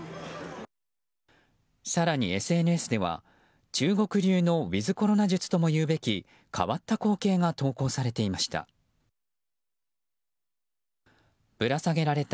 更にＳＮＳでは中国流のウィズコロナ術ともいえる変わった光景が投稿されていました。